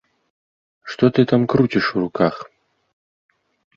Што ты там круціш у руках?